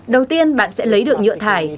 đầu tiên bạn sẽ lấy được nhựa thải